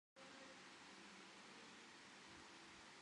Người bới lông tìm vết không phải là người quân tử